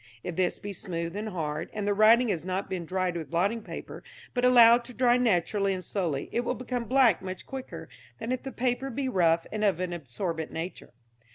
If this be smooth and hard, and the writing has not been dried with blotting paper, but allowed to dry naturally and slowly, it will become black much quicker than if the paper be rough and of an absorbent nature.